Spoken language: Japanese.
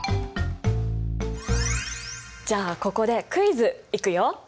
じゃあここでクイズいくよ！